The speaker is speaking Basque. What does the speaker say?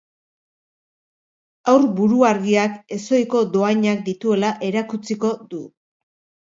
Haur buruargiak ezohiko dohainak dituela erakutsiko du.